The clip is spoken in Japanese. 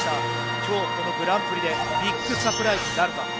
今日、このグランプリでビッグサプライズなるか。